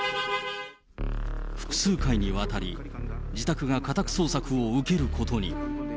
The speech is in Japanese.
複数回にわたり、自宅が家宅捜索を受けることに。